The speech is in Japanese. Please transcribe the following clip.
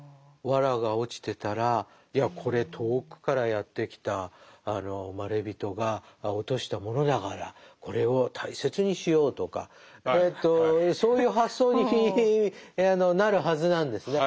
藁が落ちてたらいやこれ遠くからやって来たまれびとが落としたものだからこれを大切にしようとかそういう発想になるはずなんですね。